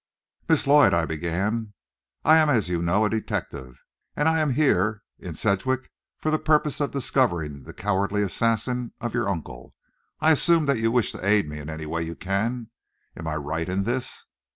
"Miss Lloyd," I began, "I am, as you know, a detective; and I am here in Sedgwick for the purpose of discovering the cowardly assassin of your uncle. I assume that you wish to aid me in any way you can. Am I right in this?"